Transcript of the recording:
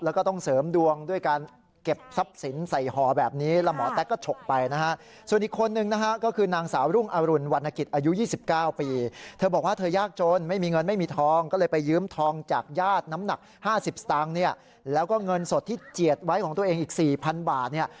แล้วก็ต้องเสริมดวงด้วยการเก็บทรัพย์สินใส่ห่อแบบนี้